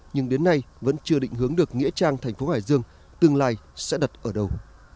nhưng đến nay vẫn chưa định hướng được nghĩa trang thành phố hải dương tương lai sẽ đặt ở đầu